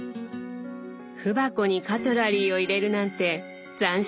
文箱にカトラリーを入れるなんて斬新ですね！